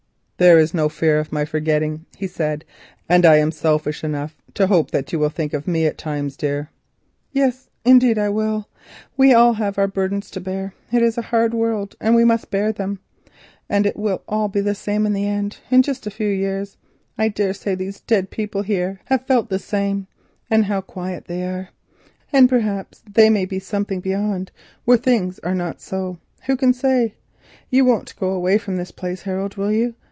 "There is no fear of my forgetting," he said, "and I am selfish enough to hope that you will think of me at times, Ida." "Yes, indeed I will. We all have our burdens to bear. It is a hard world, and we must bear them. And it will all be the same in the end, in just a few years. I daresay these dead people here have felt as we feel, and how quiet they are! And perhaps there may be something beyond, where things are not so. Who can say? You won't go away from this place, Harold, will you?